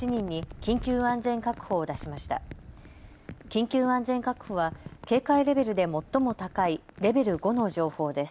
緊急安全確保は警戒レベルで最も高いレベル５の情報です。